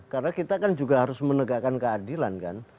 karena kita kan juga harus menegakkan keadilan kan